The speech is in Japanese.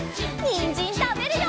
にんじんたべるよ！